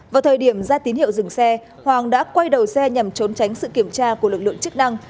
vào thời điểm ra tín hiệu dừng xe hoàng đã quay đầu xe nhằm trốn tránh sự kiểm tra của lực lượng chức năng